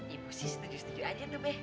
ibu sih setuju setuju aja tuh deh